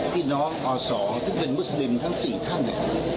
พี่น้องอสที่เป็นมุสลิมทั้ง๔ท่าน